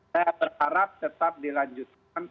saya berharap tetap dilanjutkan